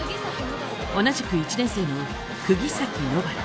同じく１年生の釘崎野薔薇。